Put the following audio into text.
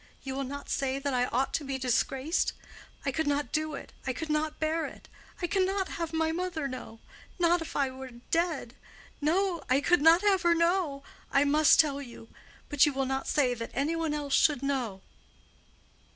you will not say that I ought to be disgraced? I could not do it. I could not bear it. I cannot have my mother know. Not if I were dead. I could not have her know. I must tell you; but you will not say that any one else should know."